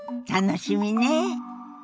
楽しみね。